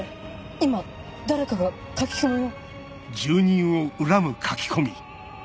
今誰かが書き込みを。